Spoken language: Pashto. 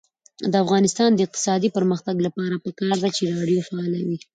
د افغانستان د اقتصادي پرمختګ لپاره پکار ده چې راډیو فعاله وي.